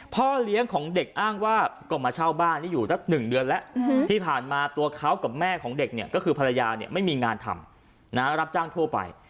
พ่อเลี้ยงของเด็กอ้างว่าก็มาเช่าบ้านนี้อยู่สัก๑เดือนแล้วที่ผ่านมาตัวเขากับแม่ของเด็กเนี่ยก็คือภรรยาเนี่ยไม่มีงานทำรับจ้างทั่วไป